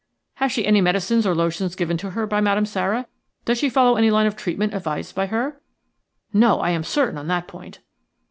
"Has she any medicines or lotions given to her by Madame Sara – does she follow any line of treatment advised by her?" "No, I am certain on that point."